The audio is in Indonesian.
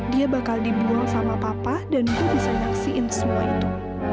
dia bakal dibuang sama papa dan gue bisa nyaksiin semua itu